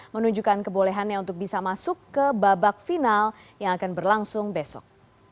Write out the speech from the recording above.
menunjukkan kebolehannya untuk bisa masuk ke babak final yang akan berlangsung besok